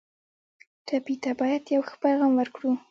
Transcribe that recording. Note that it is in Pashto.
ټپي ته باید یو ښه پیغام ورکړو.